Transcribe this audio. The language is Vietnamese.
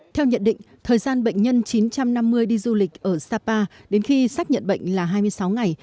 theo nhận định thời gian bệnh nhân chín trăm năm mươi đi du lịch ở sapa đến khi xác nhận bệnh là hai mươi sáu ngày